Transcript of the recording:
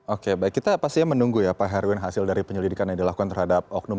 oke baik kita pasti menunggu ya pak herwin hasil dari penyelidikan yang dilakukan terhadap oknum